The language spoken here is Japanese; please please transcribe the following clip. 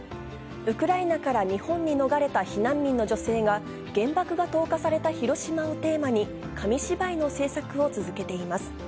ウクライナから日本に逃れた避難民の女性が、原爆が投下された広島をテーマに、紙芝居の制作を続けています。